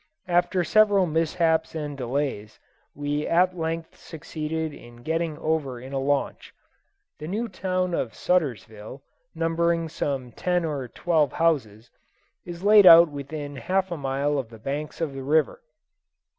After several mishaps and delays, we at length succeeded in getting over in a launch. The new town of Suttersville, numbering some ten or twelve houses, is laid out within half a mile of the banks of the river.